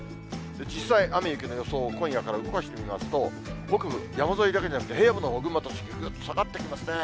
実際、雨、雪の予想を今夜から動かしてみますと、北部山沿いだけじゃなくて、平野部のほう、群馬、栃木、ぐっと下がってきますね。